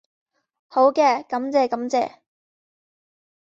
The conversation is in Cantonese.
好嘅，感謝感謝